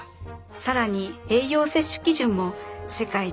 更に栄養摂取基準も世界一